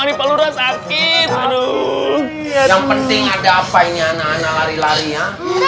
yang penting ada apa ini anak anak lari lari ya